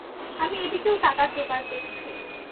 আমি এদিকেও টাকার যোগাড় দেখছি।